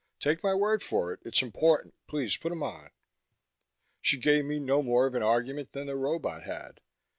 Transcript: Take my word for it, it's important. Please put him on." She gave me no more of an argument than the robot had.